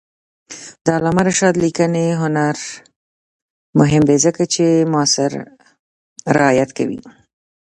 د علامه رشاد لیکنی هنر مهم دی ځکه چې معاصر روایت کوي.